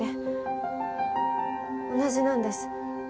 同じなんです。